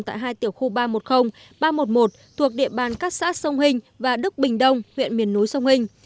tại hai tiểu khu ba trăm một mươi ba trăm một mươi một thuộc địa bàn các xã sông hình và đức bình đông huyện miền núi sông hình